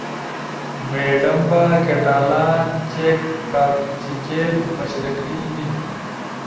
میڈمبا، کیٹالان، چیک، کاکچیکیل، مشرقی میِن